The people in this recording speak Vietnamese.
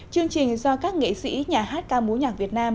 chương trình do các nghệ sĩ nhà hát ca mối nhạc việt nam